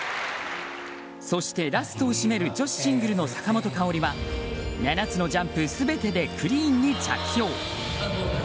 そして、ラストを締める女子シングルの坂本花織は７つのジャンプ全てでクリーンに着氷。